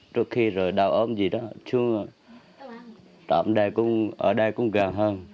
trước khi rồi đau ốm gì đó chung ở đây cũng gần hơn